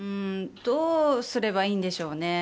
どうすればいいんでしょうね。